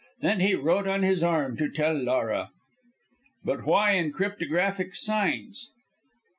Then he wrote on his arm to tell Laura." "But why in cryptographic signs?"